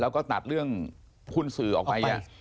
แล้วก็ตัดเรื่องหุ้นสื่อออกไปเนี่ย